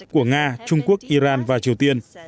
của nga trung quốc iran và triều tiên